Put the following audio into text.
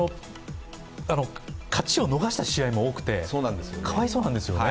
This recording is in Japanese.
勝ちを逃した試合も多くてかわいそうなんですよね。